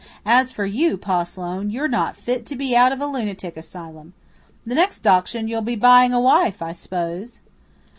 "As for you, Pa Sloane, you're not fit to be out of a lunatic asylum. The next auction you'll be buying a wife, I s'pose?"